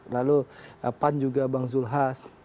lalu pan juga bang zulhas